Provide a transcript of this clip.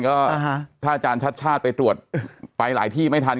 ก็ถ้าอาจารย์ชัดชาติไปตรวจไปหลายที่ไม่ทัน